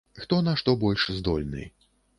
Хто на што больш здольны.